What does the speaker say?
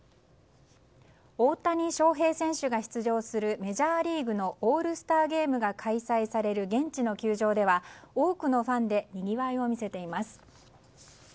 大谷翔平選手が出場するメジャーリーグのオールスターゲームが開催される現地の球場では多くのファンでにぎわいを見せています。